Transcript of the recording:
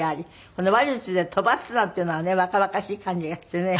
この「話術で飛ばす」なんていうのがね若々しい感じがしてね。